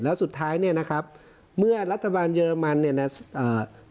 แล้วสุดท้ายเนี่ยนะครับเมื่อรัฐบาลเยอรมันเนี่ยนะอ่า